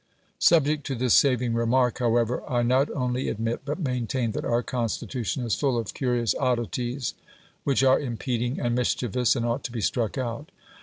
Subject to this saving remark, however, I not only admit, but maintain, that our Constitution is full of curious oddities, which are impeding and mischievous, and ought to be struck out.